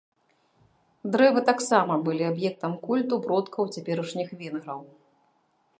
Дрэвы таксама былі аб'ектам культу продкаў цяперашніх венграў.